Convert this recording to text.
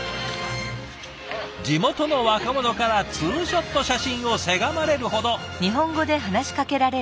地元の若者からツーショット写真をせがまれるほど。